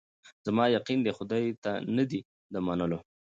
زما یقین دی خدای ته نه دی د منلو